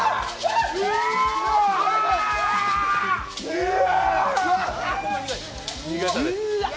うわ！！